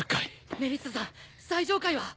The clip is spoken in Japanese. メリッサさん最上階は？